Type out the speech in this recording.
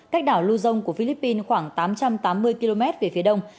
cách đảo lưu dông của philippines khoảng tám trăm tám mươi km về phía đông